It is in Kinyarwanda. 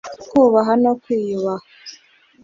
kubaha no kwiyubaha